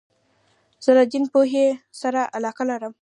زه د دین پوهني سره علاقه لرم.